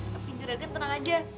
tapi juragan tenang aja